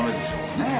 ねえ？